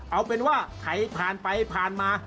เอาเป็นว่าใครผ่านไปผ่านมา